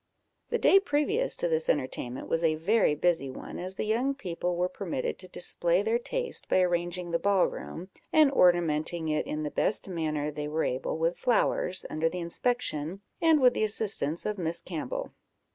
The day previous to this entertainment was a very busy one, as the young people were permitted to display their taste by arranging the ball room, and ornamenting it in the best manner they were able with flowers, under the inspection and with the assistance of Miss Campbell.